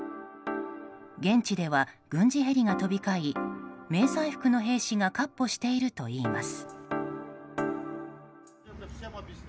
現地では軍事ヘリが飛び交い迷彩服の兵士が闊歩しているといいます。